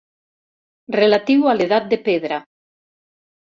Relatiu a l'edat de pedra.